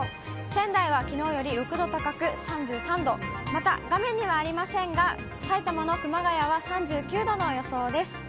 仙台はきのうより６度高く３３度、また、画面にはありませんが、埼玉の熊谷は３９度の予想です。